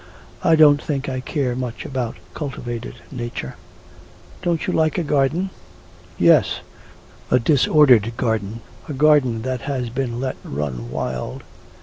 'I don't think I care much about cultivated nature.' 'Don't you like a garden?' 'Yes; a disordered garden, a garden that has been let run wild.'